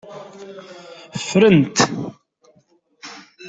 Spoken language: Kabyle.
Ffrent.